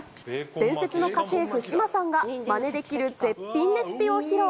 伝説の家政婦、志麻さんが、まねできる絶品レシピを披露。